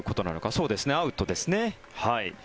そうですね、アウトですね。